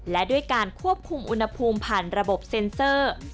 และด้วยการควบคุมอุณหภูมิผ่านระบบเซ็นเซอร์